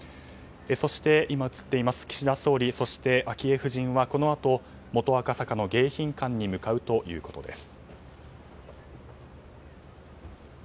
そして今映っています岸田総理そして昭恵夫人はこのあと元赤坂の迎賓館に向かうということです。